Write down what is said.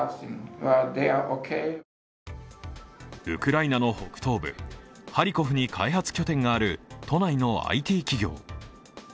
ウクライナの北東部、ハリコフに開発拠点がある都内のＩＴ企業。